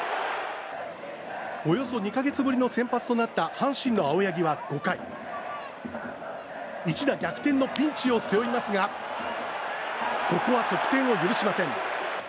およそ２か月ぶりの先発となった阪神の青柳は５回一打逆転のピンチを背負いますがここは得点を許しません。